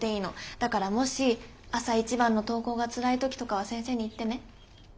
だからもし朝一番の登校がつらい時とかは先生に言ってね。